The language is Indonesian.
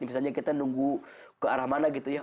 misalnya kita nunggu ke arah matanya ya